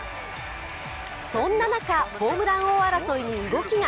そんな中、ホームラン王争いに動きが。